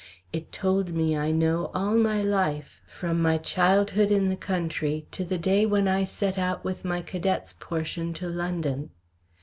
It told me, I know, all my life, from my childhood in the country to the day when I set out with my cadet's portion to London.